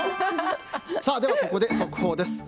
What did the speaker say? ここで速報です。